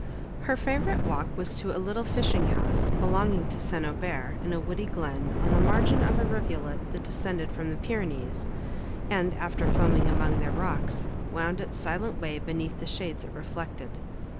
Her favourite walk was to a little fishing house, belonging to St. Aubert, in a woody glen, on the margin of a rivulet that descended from the Pyrenees, and, after foaming among their rocks, wound its silent way beneath the shades it reflected.